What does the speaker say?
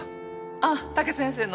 あっ武先生の！